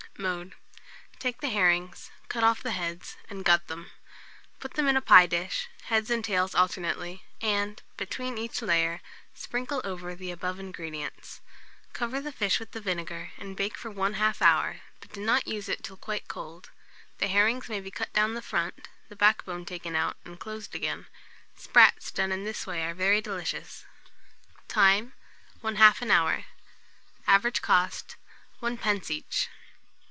Mode. Take the herrings, cut off the heads, and gut them. Put them in a pie dish, heads and tails alternately, and, between each layer, sprinkle over the above ingredients. Cover the fish with the vinegar, and bake for 1/2 hour, but do not use it till quite cold. The herrings may be cut down the front, the backbone taken out, and closed again. Sprats done in this way are very delicious. Time. 1/2 an hour. Average cost, 1d. each.